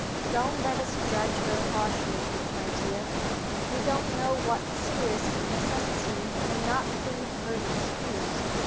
"Don't let us judge her harshly, my dear: we don't know what serious necessity may not plead her excuse.